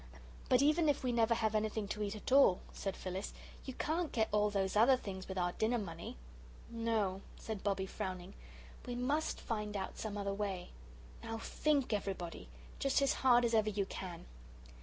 "But even if we never have anything to eat at all," said Phyllis, "you can't get all those other things with our dinner money." "No," said Bobbie, frowning, "we must find out some other way. Now THINK, everybody, just as hard as ever you can."